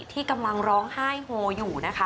ที่กำลังร้องไห้โฮอยู่นะคะ